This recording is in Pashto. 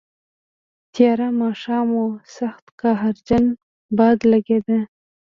تیاره ماښام و، سخت قهرجن باد لګېده.